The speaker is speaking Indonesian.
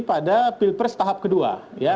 pada pilpres tahap kedua